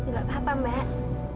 gak apa apa mbak